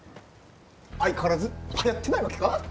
相変わらずはやってないわけか？